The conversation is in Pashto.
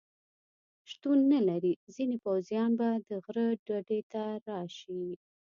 شتون نه لري، ځینې پوځیان به د غره ډډې ته راشي.